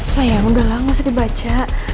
sayang udahlah ga usah dibaca